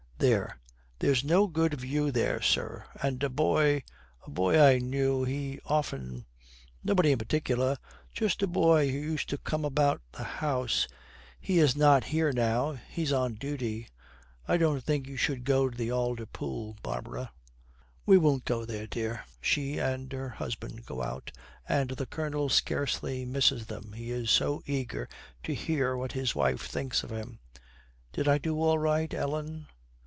There's there's not a good view there, sir; and a boy a boy I knew, he often nobody in particular just a boy who used to come about the house he is not here now he is on duty. I don't think you should go to the alder pool, Barbara.' 'We won't go there, dear.' She and her husband go out, and the Colonel scarcely misses them, he is so eager to hear what his wife thinks of him. 'Did I do all right, Ellen?'